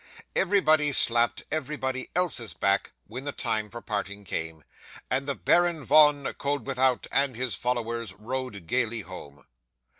Everybody slapped everybody else's back, when the time for parting came; and the Baron Von Koeldwethout and his followers rode gaily home.